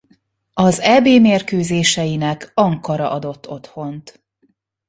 Az Eb mérkőzéseinek Ankara adott otthont.